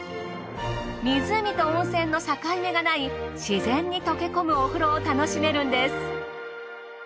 湖と温泉の境目がない自然に溶け込むお風呂を楽しめるんです。